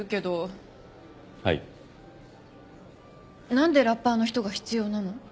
何でラッパーの人が必要なの？